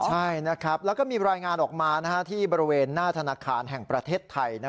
ใช่นะครับแล้วก็มีรายงานออกมาที่บริเวณหน้าธนาคารแห่งประเทศไทย